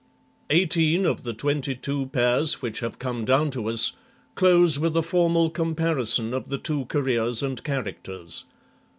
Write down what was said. Eighteen of the twenty two pairs which have come down to us, close with a formal comparison of the two careers and characters.